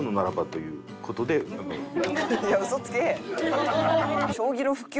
いや嘘つけ！